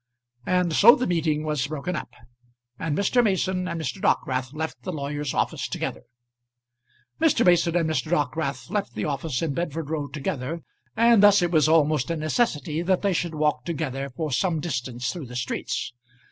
And so the meeting was broken up, and Mr. Mason and Mr. Dockwrath left the lawyer's office together. Mr. Mason and Mr. Dockwrath left the office in Bedford Row together, and thus it was almost a necessity that they should walk together for some distance through the streets.